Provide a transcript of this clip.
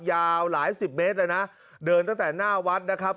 ยาวหลายสิบเมตรเลยนะเดินตั้งแต่หน้าวัดนะครับ